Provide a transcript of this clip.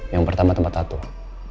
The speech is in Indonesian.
yang pertama tempat tattoo